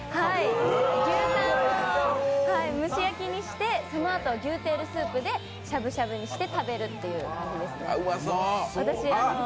牛タンを蒸し焼きにしてそのあと、牛テールスープでしゃぶしゃぶにして食べるっていう。